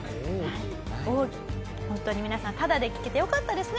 ホントに皆さんタダで聞けてよかったですね